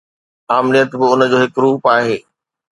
آمريت به ان جو هڪ روپ آهي.